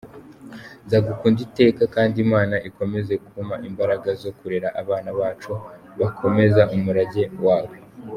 Nzagukunda iteka kandi Imana ikomeze kuma imbaraga zo kurera abana bacu bakomeza umurage wawe.